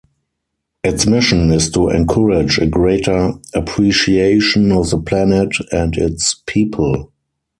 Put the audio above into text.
Its mission is to encourage a greater appreciation of the planet and its people.